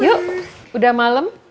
yuk udah malem